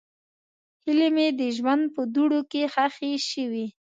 هیلې مې د ژوند په دوړو کې ښخې شوې.